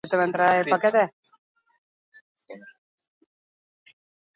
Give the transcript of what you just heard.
Erretaula txikiak jatorrizko polikromia gordetzen du gaur egun.